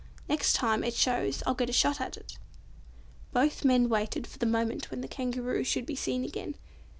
Next time it shows, I'll get a shot at it." Both men waited for the moment when the Kangaroo should be seen again.